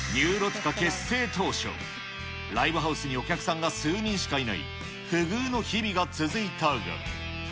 ティカ結成当初、ライブハウスにお客さんが数人しかいない不遇の日々が続いたが。